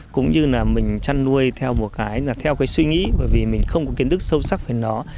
cũng như là mình chăn nuôi theo một cái là theo cái suy nghĩ bởi vì mình không có kiến thức sâu sắc về nó